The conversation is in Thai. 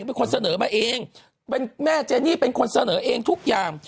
เป็นคนเสนอมาเองเป็นแม่เจนี่เป็นคนเสนอเองทุกอย่าง